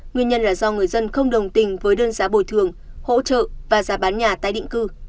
nguyên nhân là do người dân không đồng tình với đơn giá bồi thường hỗ trợ và giá bán nhà tái định cư